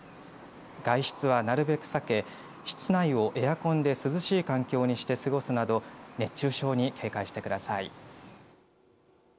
外出はなるべく避け室内をエアコンで涼しい環境にして過ごすなど熱中症に警戒してください。